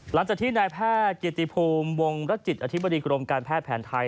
หลังจากที่นายแพทย์เกียรติภูมิวงรจิตอธิบดีกรมการแพทย์แผนไทย